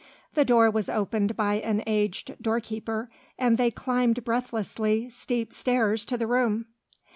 The door was opened by an aged door keeper, and they climbed breathlessly steep stairs to the room.